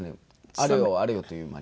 あれよあれよという間に。